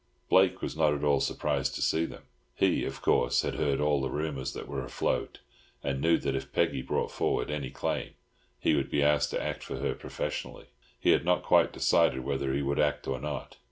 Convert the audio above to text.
Blake was not at all surprised to see them. He, of course, had heard all the rumours that were afloat, and knew that if Peggy brought forward any claim he would be asked to act for her professionally. He had not quite decided whether he would act or not.